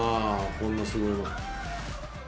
こんなすごい。